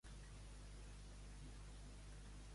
Café, puro i xica de duro.